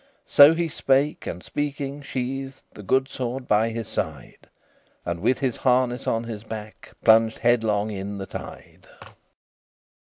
So he spake, and speaking sheathed The good sword by his side, And with his harness on his back, Plunged headlong in the tide.